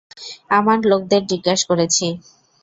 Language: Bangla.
আমার লোকদের জিজ্ঞাসা করেছি।